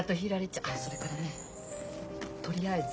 あそれからねとりあえず。